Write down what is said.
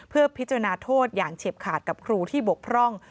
เพื่อพิจารณาโทษอย่างเฉียบขาดกับครูที่บกพร่อง